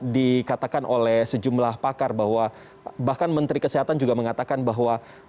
dikatakan oleh sejumlah pakar bahwa bahkan menteri kesehatan juga mengatakan bahwa